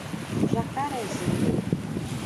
Jacarezinho